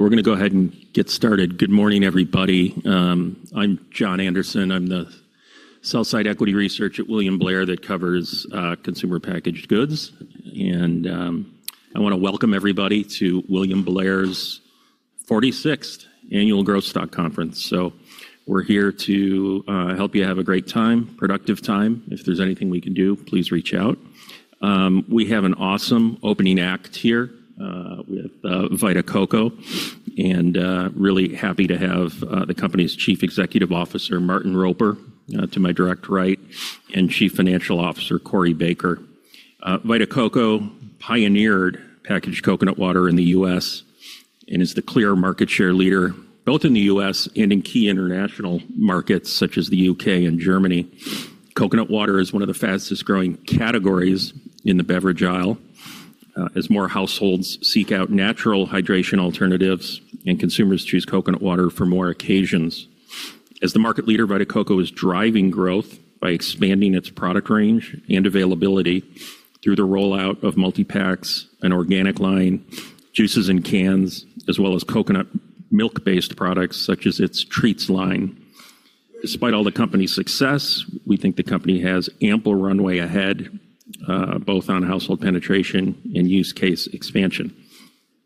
We're going to go ahead and get started. Good morning, everybody. I'm Jon Andersen. I'm the sell-side equity research at William Blair that covers consumer packaged goods. I want to welcome everybody to William Blair's 46th Annual Growth Stock Conference. We're here to help you have a great time, productive time. If there's anything we can do, please reach out. We have an awesome opening act here, with Vita Coco, and really happy to have the company's Chief Executive Officer, Martin Roper to my direct right, and Chief Financial Officer, Corey Baker. Vita Coco pioneered packaged coconut water in the U.S., and is the clear market share leader both in the U.S. and in key international markets such as the U.K. and Germany. Coconut water is one of the fastest-growing categories in the beverage aisle, as more households seek out natural hydration alternatives and consumers choose coconut water for more occasions. As the market leader, Vita Coco is driving growth by expanding its product range and availability through the rollout of multi-packs and organic line, juices and cans, as well as coconut milk-based products such as its Treats line. Despite all the company's success, we think the company has ample runway ahead, both on household penetration and use case expansion.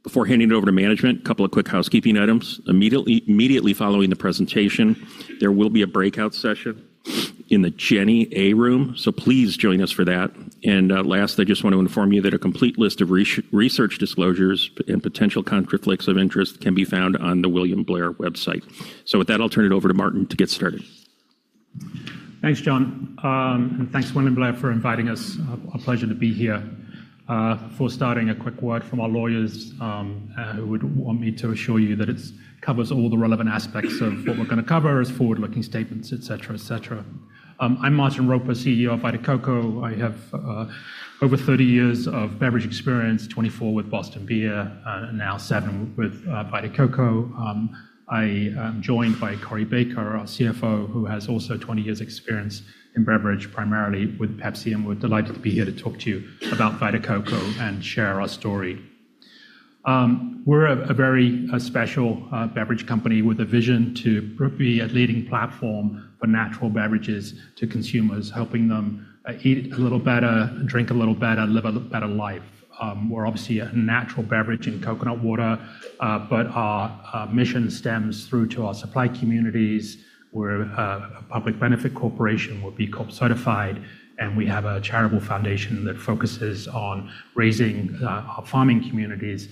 Before handing it over to management, a couple of quick housekeeping items. Immediately following the presentation, there will be a breakout session in the Jenney A room, so please join us for that. Last, I just want to inform you that a complete list of research disclosures and potential conflicts of interest can be found on the William Blair website. With that, I'll turn it over to Martin to get started. Thanks, Jon. Thanks, William Blair, for inviting us. A pleasure to be here. Before starting, a quick word from our lawyers, who would want me to assure you that it covers all the relevant aspects of what we're going to cover as forward-looking statements, et cetera. I'm Martin Roper, CEO of Vita Coco. I have over 30 years of beverage experience, 24 with Boston Beer, and now seven with Vita Coco. I am joined by Corey Baker, our CFO, who has also 20 years experience in beverage, primarily with Pepsi, and we're delighted to be here to talk to you about Vita Coco and share our story. We're a very special beverage company with a vision to be a leading platform for natural beverages to consumers, helping them eat a little better, drink a little better, live a better life. We're obviously a natural beverage in coconut water, but our mission stems through to our supply communities. We're a public benefit corporation, we're B Corp certified, and we have a charitable foundation that focuses on raising our farming communities,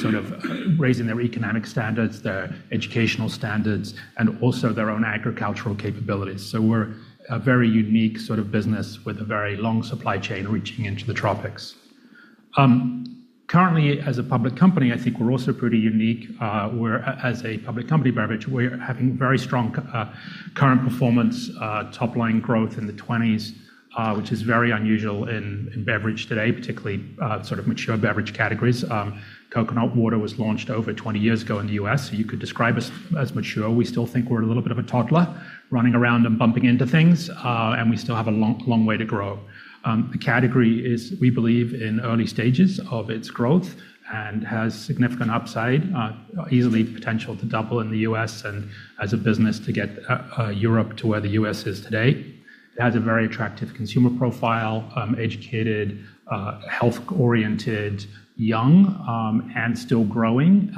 sort of raising their economic standards, their educational standards, and also their own agricultural capabilities. We're a very unique sort of business with a very long supply chain reaching into the tropics. Currently, as a public company, I think we're also pretty unique. As a public company beverage, we're having very strong current performance, top line growth in the 20s, which is very unusual in beverage today, particularly sort of mature beverage categories. Coconut water was launched over 20 years ago in the U.S., so you could describe us as mature. We still think we're a little bit of a toddler running around and bumping into things. We still have a long way to grow. The category is, we believe, in early stages of its growth and has significant upside, easily potential to double in the U.S. and as a business to get Europe to where the U.S. is today. It has a very attractive consumer profile, educated, health-oriented, young, and still growing.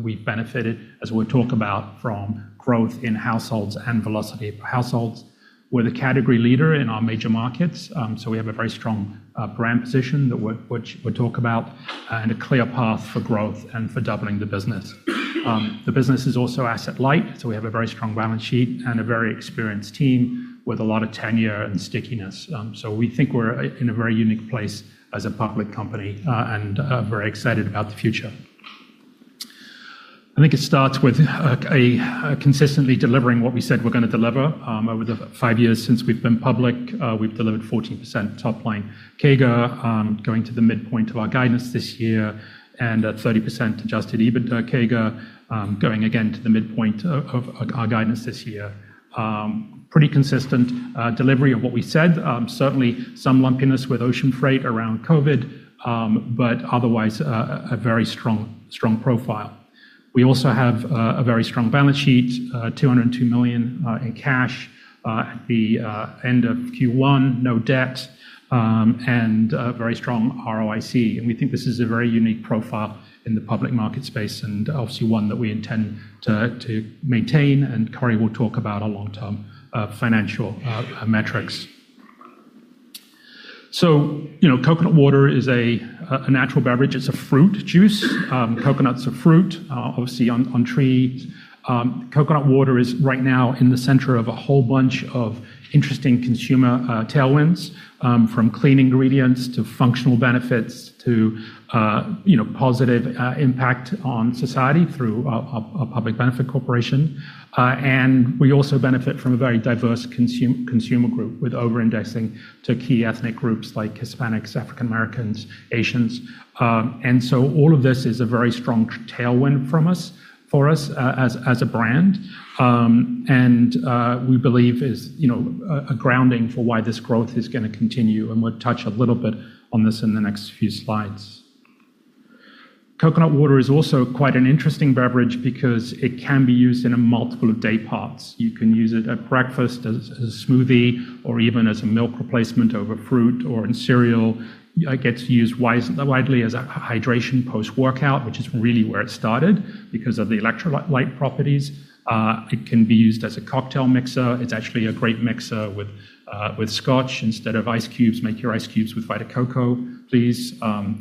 We benefited, as we'll talk about, from growth in households and velocity of households. We're the category leader in our major markets, so we have a very strong brand position that we'll talk about and a clear path for growth and for doubling the business. The business is also asset light, so we have a very strong balance sheet and a very experienced team with a lot of tenure and stickiness. We think we're in a very unique place as a public company, and very excited about the future. I think it starts with consistently delivering what we said we're going to deliver. Over the five years since we've been public, we've delivered 14% top line CAGR, going to the midpoint of our guidance this year, and at 30% adjusted EBITDA CAGR, going again to the midpoint of our guidance this year. Pretty consistent delivery of what we said. Certainly some lumpiness with ocean freight around COVID. Otherwise, a very strong profile. We also have a very strong balance sheet, $202 million in cash at the end of Q1, no debt, and a very strong ROIC. We think this is a very unique profile in the public market space, and obviously one that we intend to maintain, and Corey will talk about our long-term financial metrics. Coconut water is a natural beverage. It's a fruit juice. Coconut's a fruit, obviously on trees. Coconut water is right now in the center of a whole bunch of interesting consumer tailwinds, from clean ingredients to functional benefits to positive impact on society through a public benefit corporation. We also benefit from a very diverse consumer group with over-indexing to key ethnic groups like Hispanics, African Americans, Asians. All of this is a very strong tailwind for us as a brand, and we believe is a grounding for why this growth is going to continue, and we'll touch a little bit on this in the next few slides. Coconut water is also quite an interesting beverage because it can be used in a multiple of day parts. You can use it at breakfast, as a smoothie, or even as a milk replacement over fruit or in cereal. It gets used widely as a hydration post-workout, which is really where it started because of the electrolyte properties. It can be used as a cocktail mixer. It's actually a great mixer with scotch. Instead of ice cubes, make your ice cubes with Vita Coco, please.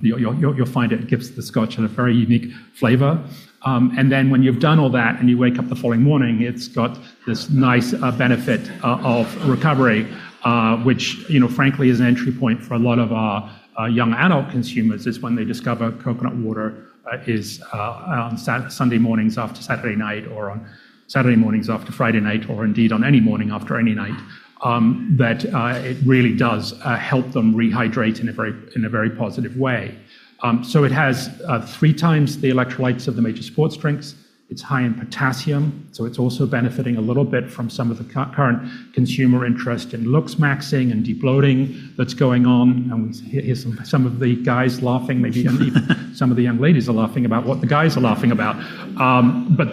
You'll find it gives the scotch a very unique flavor. When you've done all that and you wake up the following morning, it's got this nice benefit of recovery, which frankly, is an entry point for a lot of our young adult consumers, is when they discover coconut water is on Sunday mornings after Saturday night, or on Saturday mornings after Friday night, or indeed on any morning after any night. That it really does help them rehydrate in a very positive way. It has 3x the electrolytes of the major sports drinks. It's high in potassium, so it's also benefiting a little bit from some of the current consumer interest in looksmaxxing and de-bloating that's going on. We hear some of the guys laughing. Maybe some of the young ladies are laughing about what the guys are laughing about.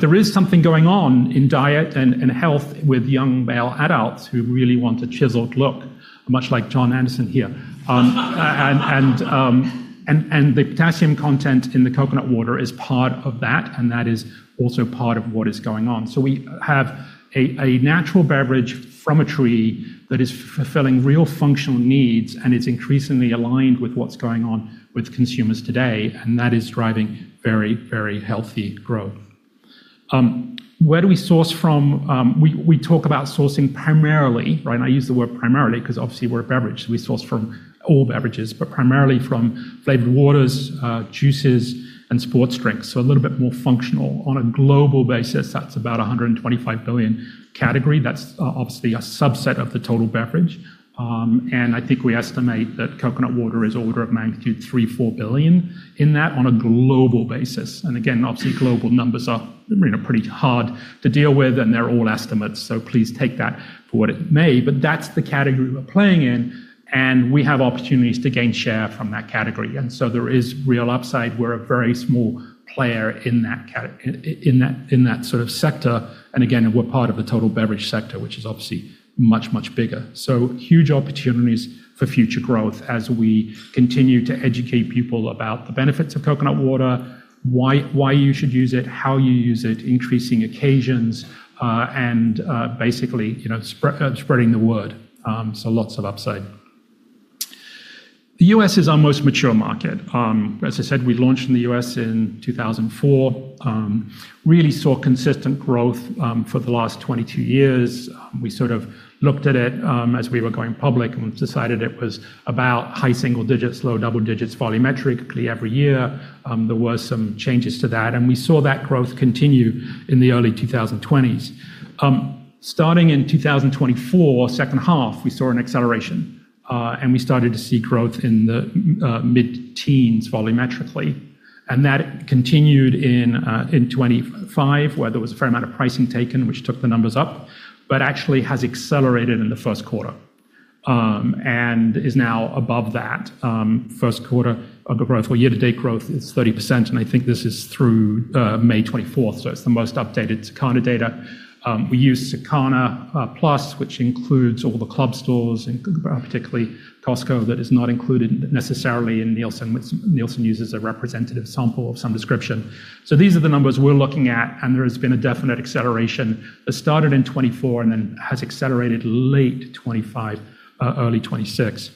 There is something going on in diet and health with young male adults who really want a chiseled look, much like Jon Andersen here. The potassium content in the coconut water is part of that, and that is also part of what is going on. We have a natural beverage from a tree that is fulfilling real functional needs, and it's increasingly aligned with what's going on with consumers today, and that is driving very healthy growth. Where do we source from? We talk about sourcing primarily, right? I use the word primarily because obviously we're a beverage. We source from all beverages, primarily from flavored waters, juices, and sports drinks. A little bit more functional. On a global basis, that's about a $125 billion category. That's obviously a subset of the total beverage. I think we estimate that coconut water is order of magnitude $3, $4 billion in that on a global basis. Again, obviously global numbers are pretty hard to deal with, and they're all estimates, so please take that for what it may. That's the category we're playing in, and we have opportunities to gain share from that category. There is real upside. We're a very small player in that sort of sector. Again, we're part of the total beverage sector, which is obviously much, much bigger. Huge opportunities for future growth as we continue to educate people about the benefits of coconut water, why you should use it, how you use it, increasing occasions, and basically spreading the word. Lots of upside. The U.S. is our most mature market. As I said, we launched in the U.S. in 2004. Really saw consistent growth for the last 22 years. We sort of looked at it as we were going public and decided it was about high single digits, low double digits, volumetrically every year. There were some changes to that, and we saw that growth continue in the early 2020s. Starting in 2024, second half, we saw an acceleration, and we started to see growth in the mid-teens volumetrically. That continued in 2025, where there was a fair amount of pricing taken, which took the numbers up, but actually has accelerated in the first quarter, and is now above that first quarter growth, or year-to-date growth is 30%, and I think this is through May 24th, so it's the most updated Circana data. We use [Circana Plus], which includes all the club stores and particularly Costco. That is not included necessarily in Nielsen, which Nielsen uses a representative sample of some description. These are the numbers we're looking at, and there has been a definite acceleration that started in 2024 and then has accelerated late 2025, early 2026.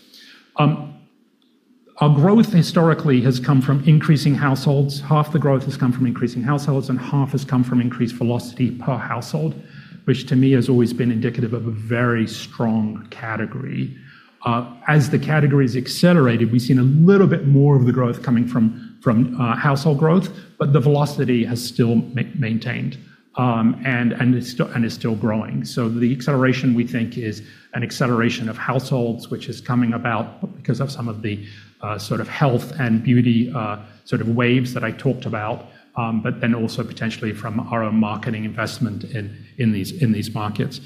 Our growth historically has come from increasing households. Half the growth has come from increasing households, and half has come from increased velocity per household, which to me has always been indicative of a very strong category. As the category's accelerated, we've seen a little bit more of the growth coming from household growth, but the velocity has still maintained, and is still growing. The acceleration, we think, is an acceleration of households, which is coming about because of some of the sort of health and beauty sort of waves that I talked about. Then also potentially from our own marketing investment in these markets.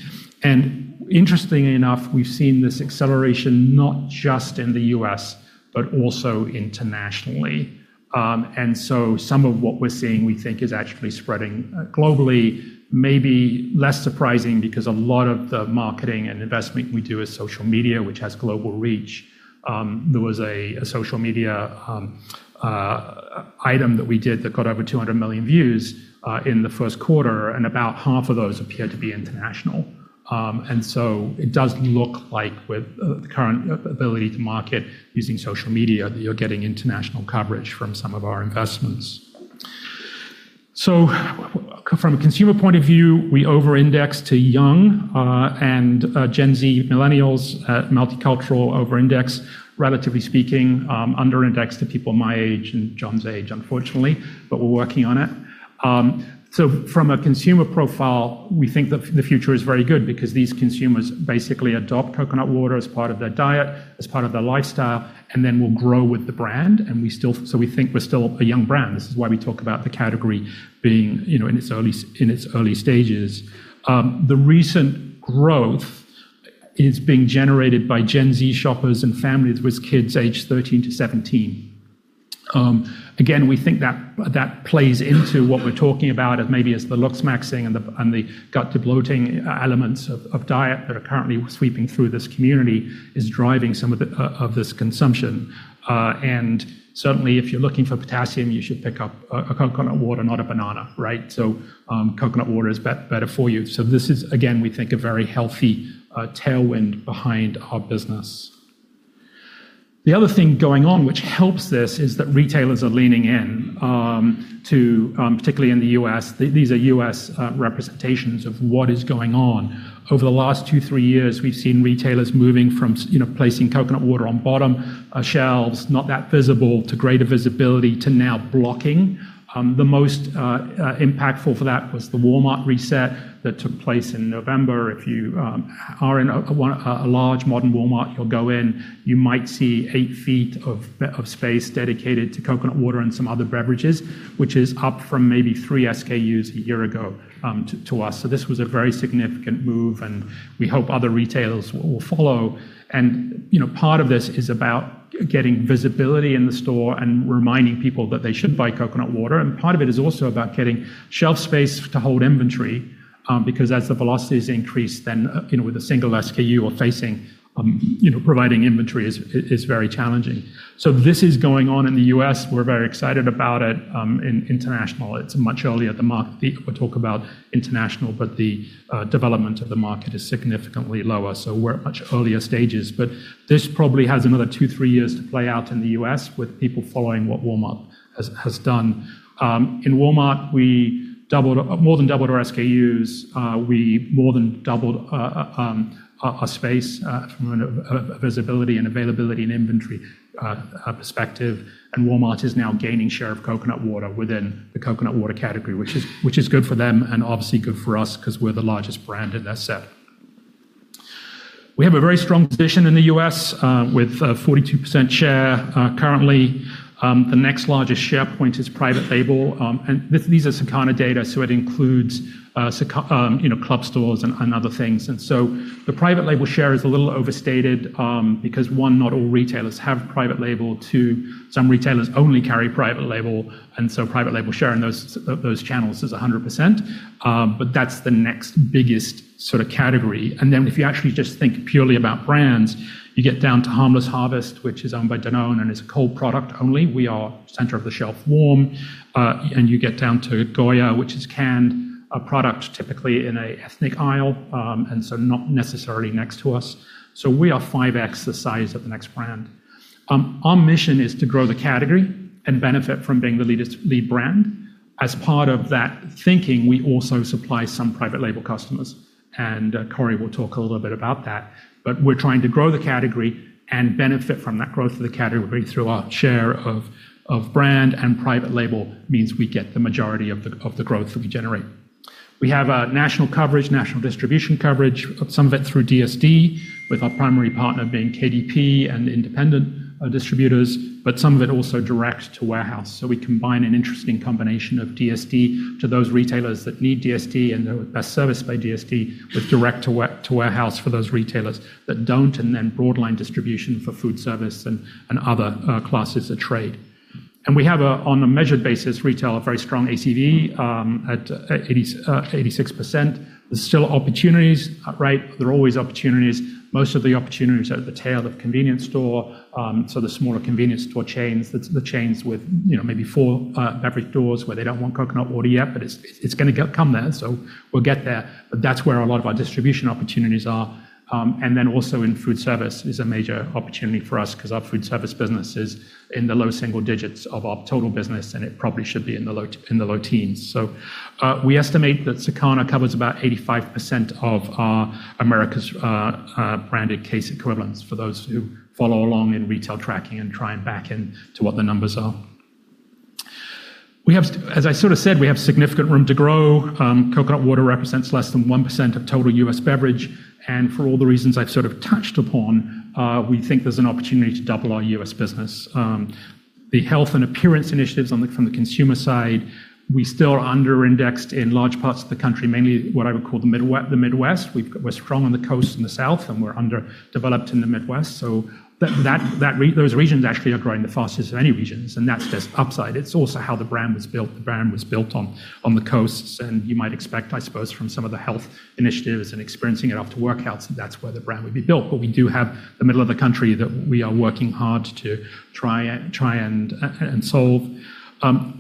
Interestingly enough, we've seen this acceleration not just in the U.S., but also internationally. Some of what we're seeing, we think, is actually spreading globally, maybe less surprising because a lot of the marketing and investment we do is social media, which has global reach. There was a social media item that we did that got over 200 million views in the first quarter, and about half of those appeared to be international. It does look like with the current ability to market using social media, that you're getting international coverage from some of our investments. From a consumer point of view, we over-index to young and Gen Z millennials, multicultural over-index, relatively speaking, under-index to people my age and Jon's age, unfortunately, but we're working on it. From a consumer profile, we think the future is very good because these consumers basically adopt coconut water as part of their diet, as part of their lifestyle, and then will grow with the brand, we think we're still a young brand. This is why we talk about the category being in its early stages. The recent growth. It's being generated by Gen Z shoppers and families with kids aged 13 to 17. We think that plays into what we're talking about as maybe it's the looksmaxxing and the gut de-bloating elements of diet that are currently sweeping through this community is driving some of this consumption. Certainly, if you're looking for potassium, you should pick up a coconut water, not a banana, right? Coconut water is better for you. This is, again, we think a very healthy tailwind behind our business. The other thing going on which helps this is that retailers are leaning in, particularly in the U.S. These are U.S. representations of what is going on. Over the last two, three years, we've seen retailers moving from placing coconut water on bottom shelves, not that visible, to greater visibility to now blocking. The most impactful for that was the Walmart reset that took place in November. If you are in a large modern Walmart, you'll go in, you might see 8 ft of space dedicated to coconut water and some other beverages, which is up from maybe 3-SKUs a year ago to us. This was a very significant move and we hope other retailers will follow. Part of this is about getting visibility in the store and reminding people that they should buy coconut water, and part of it is also about getting shelf space to hold inventory, because as the velocities increase, then with a single SKU, providing inventory is very challenging. This is going on in the U.S. We're very excited about it. In international, it's much earlier. [Pik] will talk about international, but the development of the market is significantly lower, so we're at much earlier stages. This probably has another two, three years to play out in the U.S. with people following what Walmart has done. In Walmart, we more than doubled our SKUs. We more than doubled our space from a visibility and availability and inventory perspective. Walmart is now gaining share of coconut water within the coconut water category, which is good for them and obviously good for us because we're the largest brand in that set. We have a very strong position in the U.S. with 42% share currently. The next largest share point is private label. These are Circana data, so it includes club stores and other things. The private label share is a little overstated, because one, not all retailers have private label. Two, some retailers only carry private label, and so private label share in those channels is 100%. That's the next biggest category. Then if you actually just think purely about brands, you get down to Harmless Harvest, which is owned by Danone and is a cold product only. We are center-of-the-shelf warm. You get down to Goya, which is canned product typically in a ethnic aisle, and so not necessarily next to us. We are 5x the size of the next brand. Our mission is to grow the category and benefit from being the lead brand. As part of that thinking, we also supply some private label customers, and Corey will talk a little bit about that. We're trying to grow the category and benefit from that growth of the category through our share of brand and private label means we get the majority of the growth that we generate. We have a national coverage, national distribution coverage, some of it through DSD with our primary partner being KDP and independent distributors, but some of it also direct to warehouse. We combine an interesting combination of DSD to those retailers that need DSD and are best serviced by DSD, with direct to warehouse for those retailers that don't, and then broad line distribution for food service and other classes of trade. We have, on a measured basis, retail a very strong ACV at 86%. There's still opportunities outright. There are always opportunities. Most of the opportunities are at the tail of convenience store. The smaller convenience store chains, the chains with maybe four beverage doors where they don't want coconut water yet, but it's going to come there, so we'll get there. That's where a lot of our distribution opportunities are. Also in food service is a major opportunity for us because our food service business is in the low single digits of our total business, and it probably should be in the low teens. We estimate that Circana covers about 85% of our America's branded case equivalents for those who follow along in retail tracking and try and back in to what the numbers are. As I sort of said, we have significant room to grow. Coconut water represents less than 1% of total U.S. beverage, and for all the reasons I've sort of touched upon, we think there's an opportunity to double our U.S. business. The health and appearance initiatives from the consumer side, we still are under-indexed in large parts of the country, mainly what I would call the Midwest. We're strong on the coast and the South, and we're underdeveloped in the Midwest. Those regions actually are growing the fastest of any regions, and that's just upside. It's also how the brand was built. The brand was built on the coasts, and you might expect, I suppose, from some of the health initiatives and experiencing it after workouts, that's where the brand would be built. We do have the middle of the country that we are working hard to try and solve.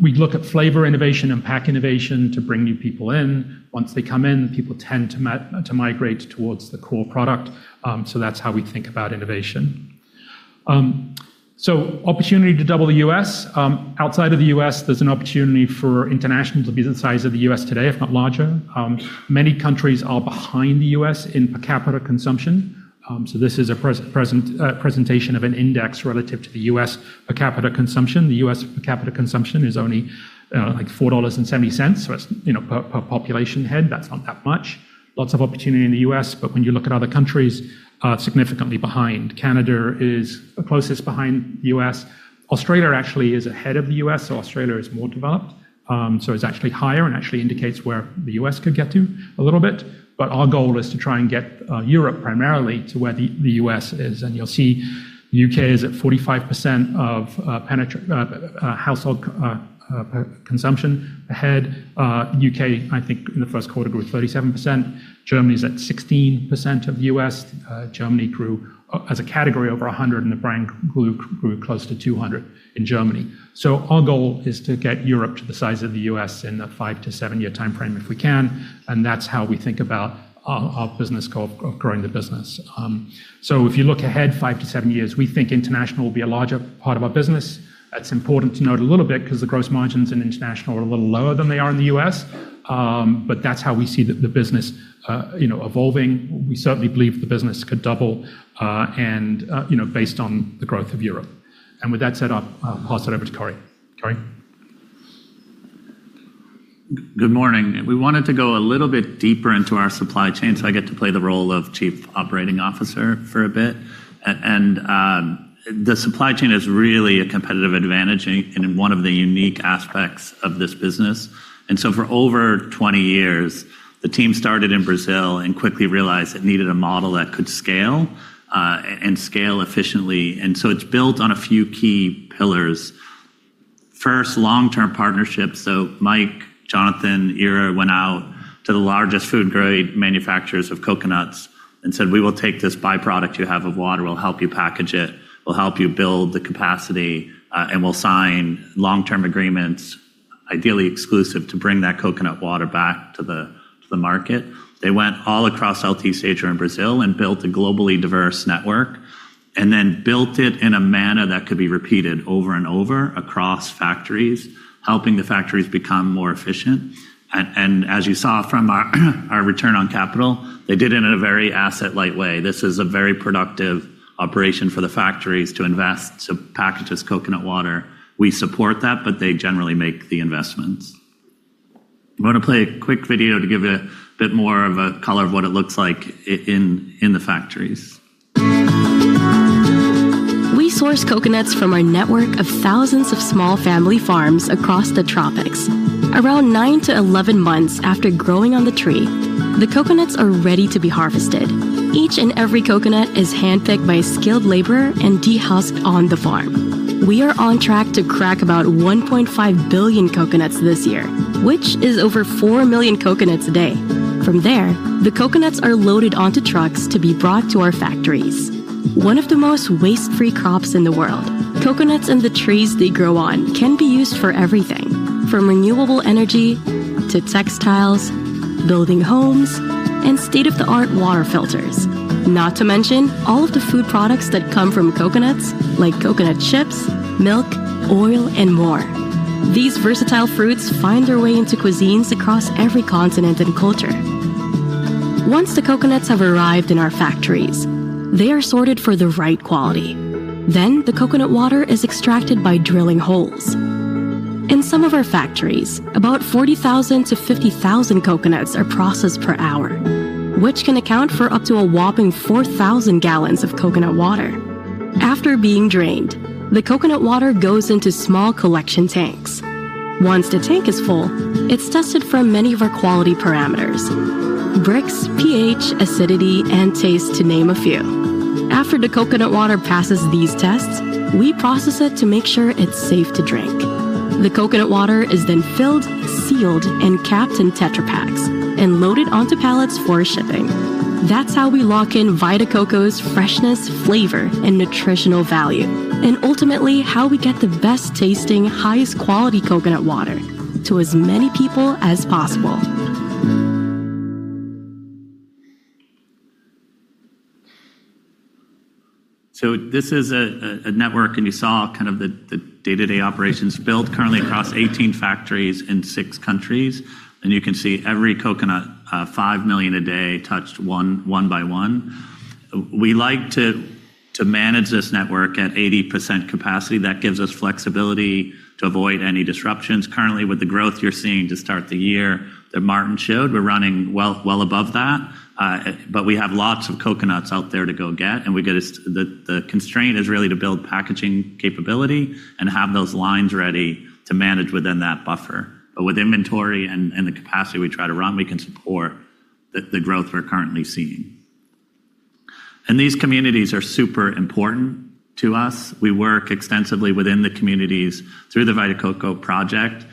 We look at flavor innovation and pack innovation to bring new people in. Once they come in, people tend to migrate towards the core product. That's how we think about innovation. Opportunity to double the U.S. Outside of the U.S., there's an opportunity for international to be the size of the U.S. today, if not larger. Many countries are behind the U.S. in per capita consumption. This is a presentation of an index relative to the U.S. per capita consumption. The U.S. per capita consumption is only $4.70, so that's per population head. That's not that much. Lots of opportunity in the U.S., but when you look at other countries, significantly behind. Canada is the closest behind U.S. Australia actually is ahead of the U.S., so Australia is more developed. It's actually higher and actually indicates where the U.S. could get to a little bit. Our goal is to try and get Europe primarily to where the U.S. is. You'll see U.K. is at 45% of household consumption ahead. U.K., I think in the first quarter, grew 37%. Germany is at 16% of the U.S. Germany grew as a category over 100%, and the brand grew close to 200% in Germany. Our goal is to get Europe to the size of the U.S. in a five- to seven-year timeframe if we can, and that's how we think about our business goal of growing the business. If you look ahead five to seven years, we think international will be a larger part of our business. That's important to note a little bit because the gross margins in international are a little lower than they are in the U.S. That's how we see the business evolving. We certainly believe the business could double, and based on the growth of Europe. With that said, I'll pass it over to Corey. Corey? Good morning. We wanted to go a little bit deeper into our supply chain, so I get to play the role of Chief Operating Officer for a bit. The supply chain is really a competitive advantage and one of the unique aspects of this business. For over 20 years, the team started in Brazil and quickly realized it needed a model that could scale, and scale efficiently. It's built on a few key pillars. First, long-term partnerships. Mike, Jonathan, Ira went out to the largest food-grade manufacturers of coconuts and said, "We will take this byproduct you have of water. We'll help you package it. We'll help you build the capacity, and we'll sign long-term agreements, ideally exclusive, to bring that coconut water back to the market. They went all across [LT Sager] in Brazil and built a globally diverse network, and then built it in a manner that could be repeated over and over across factories, helping the factories become more efficient. As you saw from our return on capital, they did it in a very asset-light way. This is a very productive operation for the factories to invest to package this coconut water. We support that, they generally make the investments. I'm going to play a quick video to give a bit more of a color of what it looks like in the factories. We source coconuts from our network of thousands of small family farms across the tropics. Around 9-11 months after growing on the tree, the coconuts are ready to be harvested. Each and every coconut is handpicked by a skilled laborer and dehusked on the farm. We are on track to crack about 1.5 billion coconuts this year, which is over 4 million coconuts a day. From there, the coconuts are loaded onto trucks to be brought to our factories. One of the most waste-free crops in the world, coconuts and the trees they grow on can be used for everything, from renewable energy to textiles, building homes, and state-of-the-art water filters. Not to mention all of the food products that come from coconuts, like coconut chips, milk, oil, and more. These versatile fruits find their way into cuisines across every continent and culture. Once the coconuts have arrived in our factories, they are sorted for the right quality. The coconut water is extracted by drilling holes. In some of our factories, about 40,000 to 50,000 coconuts are processed per hour, which can account for up to a whopping 4,000 gallons of coconut water. After being drained, the coconut water goes into small collection tanks. Once the tank is full, it's tested for many of our quality parameters: Brix, pH, acidity, and taste, to name a few. After the coconut water passes these tests, we process it to make sure it's safe to drink. The coconut water is then filled, sealed, and capped in Tetra Paks and loaded onto pallets for shipping. That's how we lock in Vita Coco's freshness, flavor, and nutritional value, and ultimately, how we get the best tasting, highest quality coconut water to as many people as possible. This is a network, and you saw the day-to-day operations built currently across 18 factories in six countries. You can see every coconut, 5 million a day, touched one by one. We like to manage this network at 80% capacity. That gives us flexibility to avoid any disruptions. Currently, with the growth you're seeing to start the year that Martin showed, we're running well above that. We have lots of coconuts out there to go get, and the constraint is really to build packaging capability and have those lines ready to manage within that buffer. With inventory and the capacity we try to run, we can support the growth we're currently seeing. These communities are super important to us. We work extensively within the communities through The Vita Coco Project.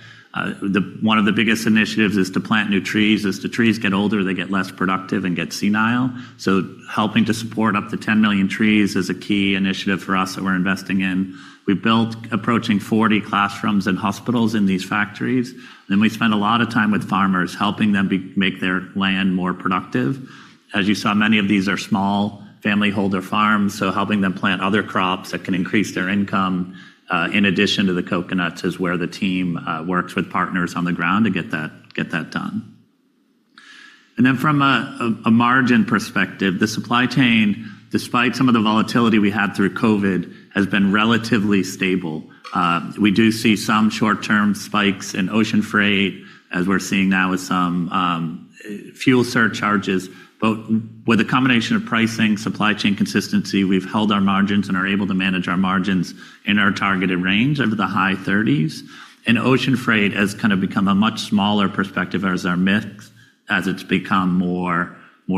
One of the biggest initiatives is to plant new trees. As the trees get older, they get less productive and get senile. Helping to support up to 10 million trees is a key initiative for us that we're investing in. We built approaching 40 classrooms and hospitals in these factories, and we spend a lot of time with farmers helping them make their land more productive. As you saw, many of these are small family holder farms, so helping them plant other crops that can increase their income, in addition to the coconuts, is where the team works with partners on the ground to get that done. From a margin perspective, the supply chain, despite some of the volatility we had through COVID, has been relatively stable. We do see some short-term spikes in ocean freight, as we're seeing now with some fuel surcharges. With a combination of pricing, supply chain consistency, we've held our margins and are able to manage our margins in our targeted range of the high 30s. Ocean freight has kind of become a much smaller perspective as our mix, as it's become more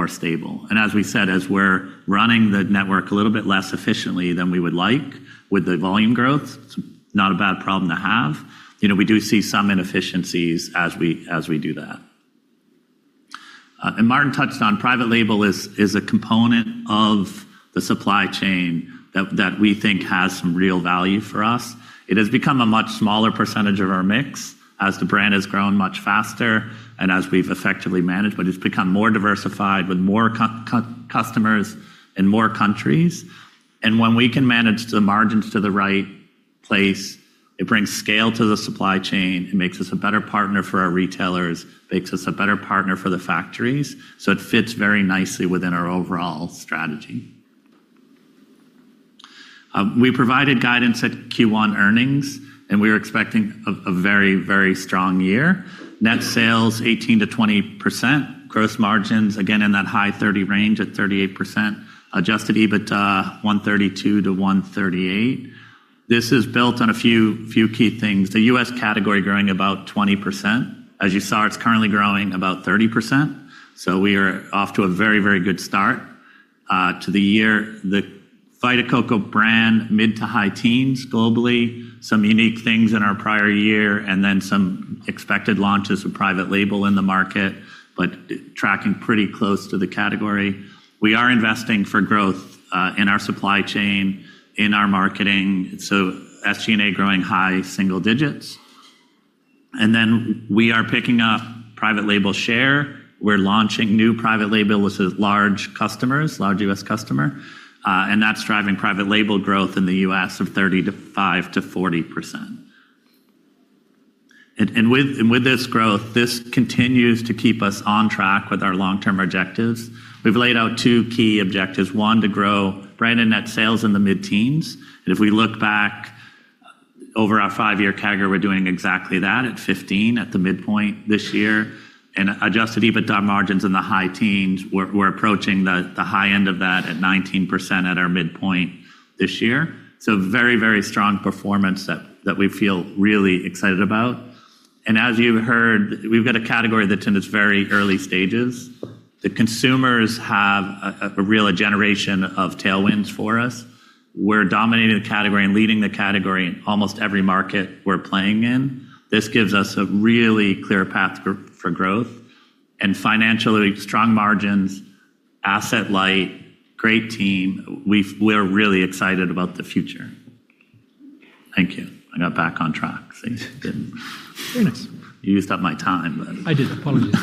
stable. As we said, as we're running the network a little bit less efficiently than we would like with the volume growth, it's not a bad problem to have. We do see some inefficiencies as we do that. Martin touched on private label as a component of the supply chain that we think has some real value for us. It has become a much smaller percentage of our mix as the brand has grown much faster and as we've effectively managed, but it's become more diversified with more customers in more countries. When we can manage the margins to the right place, it brings scale to the supply chain. It makes us a better partner for our retailers, makes us a better partner for the factories. It fits very nicely within our overall strategy. We provided guidance at Q1 earnings, and we are expecting a very strong year. Net sales, 18%-20%. Gross margins, again in that high 30 range at 38%. Adjusted EBITDA, $132 million-$138 million. This is built on a few key things. The U.S. category growing about 20%. As you saw, it's currently growing about 30%, so we are off to a very good start to the year. The Vita Coco brand, mid to high teens globally. Some unique things in our prior year, and then some expected launches of private label in the market, but tracking pretty close to the category. We are investing for growth in our supply chain, in our marketing. SG&A growing high single digits. We are picking up private label share. We're launching new private label with a large U.S. customer. That's driving private label growth in the U.S. of 35%-40%. With this growth, this continues to keep us on track with our long-term objectives. We've laid out two key objectives, one, to grow branded net sales in the mid-teens. If we look back over our five-year CAGR, we're doing exactly that at 15 at the midpoint this year. Adjusted EBITDA margins in the high teens. We're approaching the high end of that at 19% at our midpoint this year. Very strong performance that we feel really excited about. As you've heard, we've got a category that's in its very early stages. The consumers have a real generation of tailwinds for us. We're dominating the category and leading the category in almost every market we're playing in. This gives us a really clear path for growth, and financially strong margins, asset light, great team. We're really excited about the future. Thank you. I got back on track, so you didn't- Very nice use up my time then. I did. Apologies.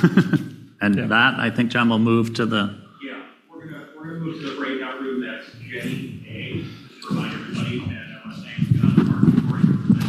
That, I think, Jon, we'll move to the- Yeah. We're going to move to the breakout room. That's Jenney A. Just remind everybody, and I want to thank Martin and Corey for-